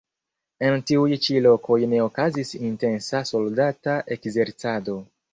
En tiuj ĉi lokoj ne okazis intensa soldata ekzercado.